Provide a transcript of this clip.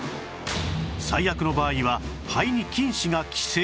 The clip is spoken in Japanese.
最悪の場合は肺に菌糸が寄生